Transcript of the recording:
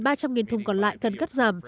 ba trăm linh thùng còn lại cần cắt giảm